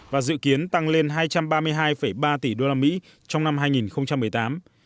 và dự kiến tăng lên hai trăm ba mươi hai ba tỷ usd trong năm hai nghìn một mươi tám